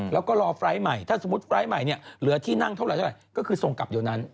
แล้วก็รอไฟล์ทใหม่ถ้าสมมุติไฟล์ทใหม่เนี่ยเหลือที่นั่งเท่าไหเท่าไหร่ก็คือส่งกลับเดี๋ยวนั้น